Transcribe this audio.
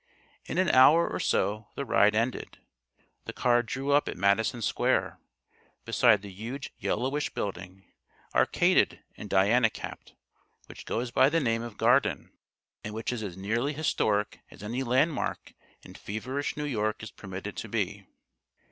In an hour or so the ride ended. The car drew up at Madison Square beside the huge yellowish building, arcaded and Diana capped, which goes by the name of "Garden" and which is as nearly historic as any landmark in feverish New York is permitted to be.